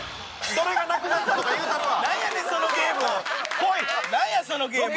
どれがなくなったとか言うたるわ！